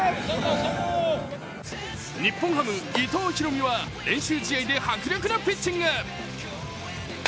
日本ハム・伊藤大海は練習試合で迫力のピッチング。